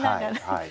はい。